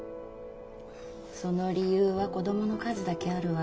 その理由は子供の数だけあるわ。